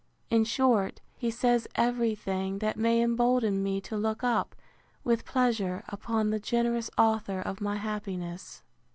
In short, he says every thing that may embolden me to look up, with pleasure, upon the generous author of my happiness.